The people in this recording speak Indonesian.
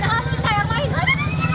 tidak tidak tidak